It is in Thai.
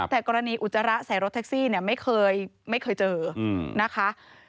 แต่กรณีอุจจาระใส่รถแท็กซี่เนี่ยไม่เคยเจอนะคะ